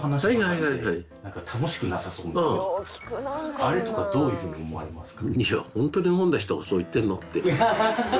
あれとかどういうふうに思われますか？